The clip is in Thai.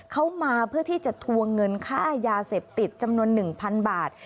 เขามาเพื่อที่จะทวงเงินค่ายาเสพติดจำนวน๑๐๐๐บาท